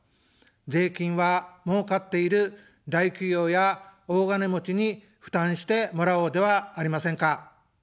税金はもうかっている大企業や大金持ちに負担してもらおうではありませんか。